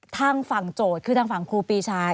ทางฝั่งโจทย์คือทางฝั่งครูปีชา